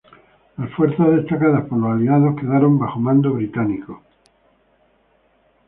Las fuerzas destacadas por los Aliados quedaron bajo mando británico.